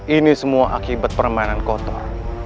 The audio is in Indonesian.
ini semua akibat permainan kotor